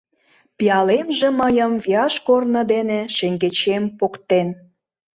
Пиалемже мыйым Вияш корно дене Шеҥгечем поктен.